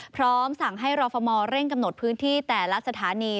พร้อมสั่งให้รอฟมเร่งกำหนดพื้นที่แต่ละสถานี